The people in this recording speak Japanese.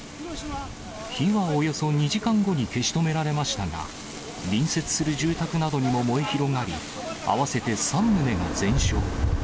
火はおよそ２時間後に消し止められましたが、隣接する住宅などにも燃え広がり、合わせて３棟が全焼。